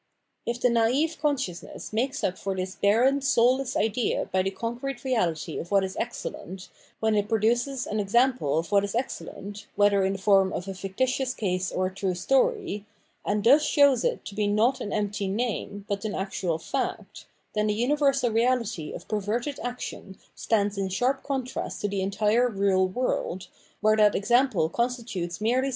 If the naive consciousness makes up for this barren, soulless idea by the concrete reahty of what is excellent, when it produces an example of what is excellent, whether in the form of a fictitious case or a true story, and thus shows it to be not an empty name, but an actual fact, then the universal reality of perverted action stands in sharp contrast to the entire real world, where that example constitutes merely something VOL.